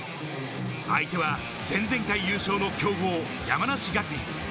相手は前々回優勝の強豪・山梨学院。